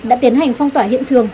đã tiến hành phong tỏa hiện trường